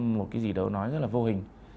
một cái gì đó nói rất là vô hình